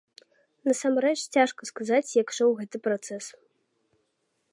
Насамрэч цяжка сказаць, як ішоў гэты працэс.